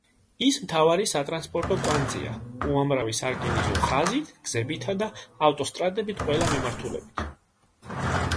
ის მთავარი სატრანსპორტო კვანძია, უამრავი სარკინიგზო ხაზით, გზებითა და ავტოსტრადებით ყველა მიმართულებით.